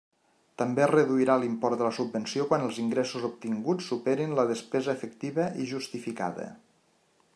També es reduirà l'import de la subvenció quan els ingressos obtinguts superin la despesa efectiva i justificada.